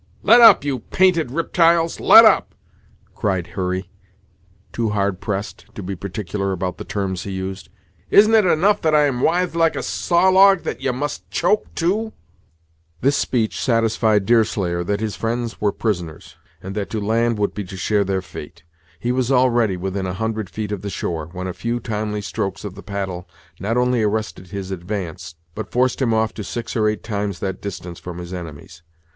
"Let up, you painted riptyles let up!" cried Hurry, too hard pressed to be particular about the terms he used; "isn't it enough that I am withed like a saw log that ye must choke too!" This speech satisfied Deerslayer that his friends were prisoners, and that to land would be to share their fate. He was already within a hundred feet of the shore, when a few timely strokes of the paddle not only arrested his advance, but forced him off to six or eight times that distance from his enemies.